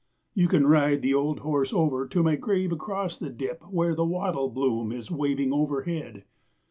You can ride the old horse over to my grave across the dip Where the wattle bloom is waving overhead.